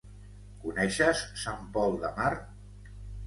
Coneixes Sant Pol de Mar?